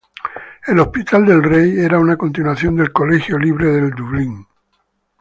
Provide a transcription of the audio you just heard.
El Hospital del Rey era una continuación del Colegio Libre del Dublín.